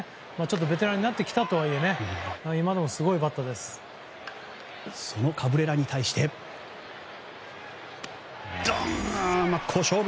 ベテランになってきたとはいえそのカブレラに対して真っ向勝負！